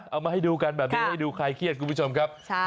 เอามาให้ดูกันแบบนี้ให้ดูใครเครียดคุณผู้ชมครับ